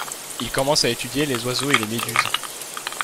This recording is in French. Il commence à étudier les oiseaux et les méduses.